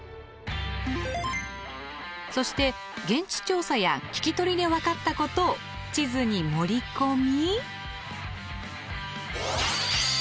そして現地調査や聞き取りで分かったことを地図に盛り込み。